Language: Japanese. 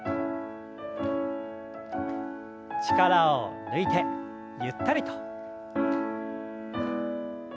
力を抜いてゆったりと。